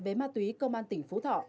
về ma túy công an tỉnh phú thọ